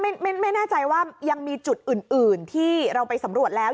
ไม่แน่ใจว่ายังมีจุดอื่นที่เราไปสำรวจแล้ว